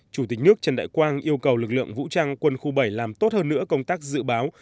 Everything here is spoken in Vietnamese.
chủ tịch nước trần đại quang yêu cầu lực lượng vũ trang quân khu bảy làm tốt hơn nữa công tác dự báo